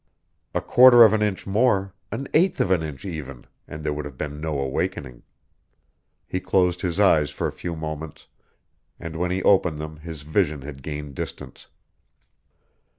A quarter of an inch more, an eighth of an inch even, and there would have been no awakening. He closed his eyes for a few moments, and when he opened them his vision had gained distance.